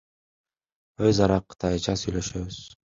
Өз ара кытайча сүйлөшөбүз.